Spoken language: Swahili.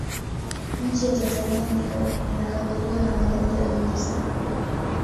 nchi ya tanzania inakabiriwa na makabila mengi sana